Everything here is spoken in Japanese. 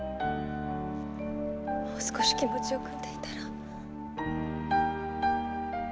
もう少し気持ちをくんでいたら。